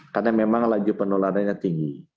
karena memang laju penularannya tinggi